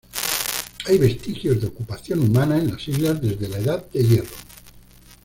Hay vestigios de ocupación humana en las islas desde la edad de hierro.